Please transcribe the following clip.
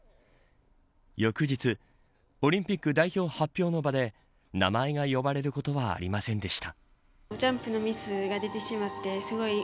翌日オリンピック代表発表の場で名前が呼ばれることはありませんでした。